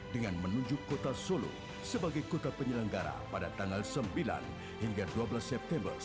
dengan menunjuk kota solo sebagai kota penyelenggara pada tanggal sembilan hingga dua belas september seribu sembilan ratus empat